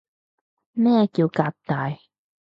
咩叫革大